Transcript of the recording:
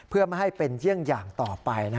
เพื่อไม่ให้เป็นเยี่ยงอย่างต่อไป